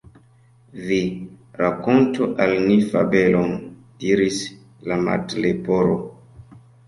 "Vi rakontu al ni fabelon," diris la Martleporo.